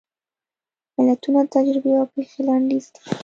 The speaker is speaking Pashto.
متلونه د تجربې او پېښې لنډیز دي